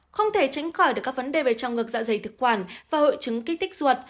không thể tránh khỏi được các vấn đề về trong ngực dạ dày thực quản và hội chứng kích ruột